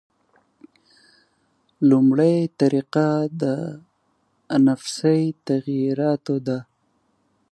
لومړۍ طریقه د انفسي تغییراتو ده.